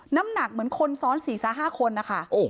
น้ำหนักเหมือนคนซ้อนสี่ซ้าห้าคนอะค่ะ